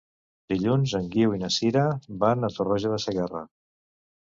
Dilluns en Guiu i na Sira van a Tarroja de Segarra.